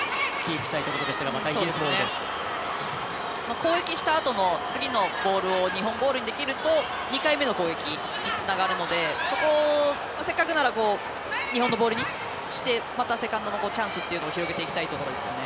攻撃したあとの次のボールを日本ボールにできると２回目の攻撃につながるのでそこをせっかくなら日本のボールにしてまたセカンドのチャンスを広げていきたいところですよね。